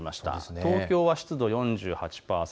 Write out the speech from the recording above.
東京は湿度４８％。